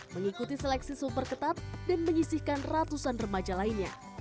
mengikuti seleksi super ketat dan menyisihkan ratusan remaja lainnya